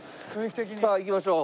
さあ行きましょう。